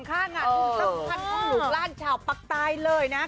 ข้างานที่สัมพันธุ์หลุงล่านชาวปักตายเลยนะครับ